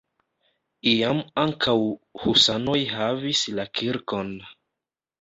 Iam ankaŭ husanoj havis la kirkon.